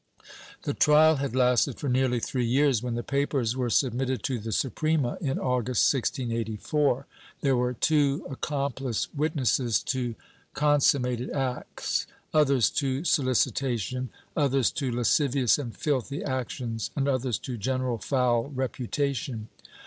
The trial had lasted for nearly three years, when the papers were submitted to the Suprema, in August, 1684. There were two accomphce witnesses to consum mated acts, others to solicitation, others to lascivious and filthy actions, and others to general foul reputation.